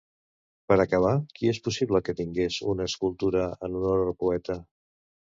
Per acabar, qui és possible que tingués una escultura en honor al poeta?